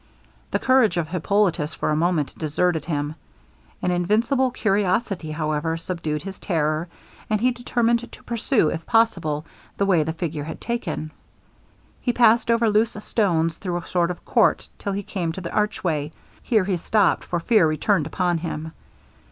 The courage of Hippolitus for a moment deserted him. An invincible curiosity, however, subdued his terror, and he determined to pursue, if possible, the way the figure had taken. He passed over loose stones through a sort of court till he came to the archway; here he stopped, for fear returned upon him.